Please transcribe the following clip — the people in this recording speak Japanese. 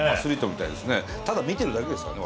ただ見てるだけですからね